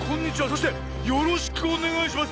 そしてよろしくおねがいします。